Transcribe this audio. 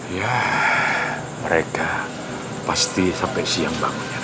ya mereka pasti sampai siang bangunnya nanti